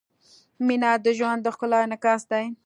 • مینه د ژوند د ښکلا انعکاس دی.